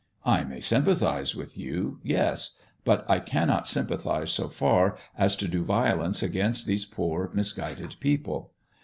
I may sympathize with you yes; but I cannot sympathize so far as to do violence against these poor, misguided people.